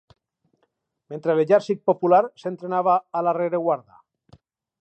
Mentre l'Exèrcit Popular s'entrenava a la rereguarda.